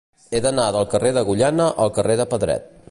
He d'anar del carrer d'Agullana al carrer de Pedret.